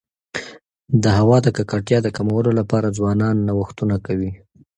د هوا د ککړتیا د کمولو لپاره ځوانان نوښتونه کوي.